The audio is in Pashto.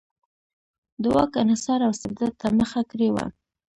د واک انحصار او استبداد ته مخه کړې وه.